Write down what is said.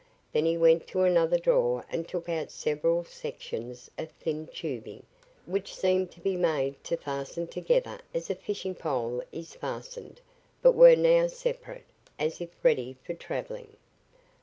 Then he went to another drawer and took out several sections of thin tubing which seemed to be made to fasten together as a fishing pole is fastened, but were now separate, as if ready for travelling.